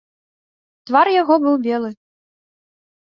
Твар яго быў белы.